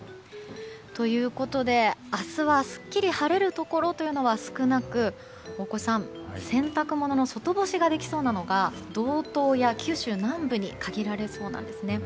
ということで、明日はすっきり晴れるところというのは少なく大越さん、洗濯物の外干しができそうなのが道東や九州南部に限られそうなんですね。